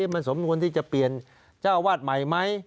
มันสมควรที่จะเปลี่ยนเจ้าวาดใหม่ไหม